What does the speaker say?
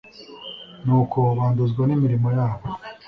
nuko banduzwa n’imirimo yabo